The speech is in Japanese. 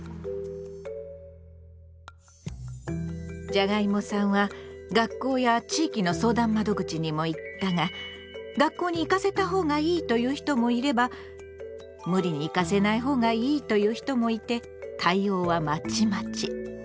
じゃがいもさんは学校や地域の相談窓口にも行ったが「学校に行かせたほうがいい」と言う人もいれば「ムリに行かせないほうがいい」と言う人もいて対応はまちまち。